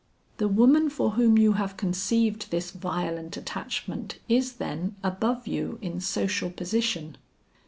"The woman for whom you have conceived this violent attachment is, then, above you in social position?"